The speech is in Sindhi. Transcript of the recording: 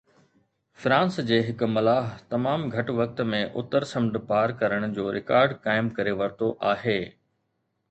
فرانس جي هڪ ملاح تمام گهٽ وقت ۾ اتر سمنڊ پار ڪرڻ جو رڪارڊ قائم ڪري ورتو آهي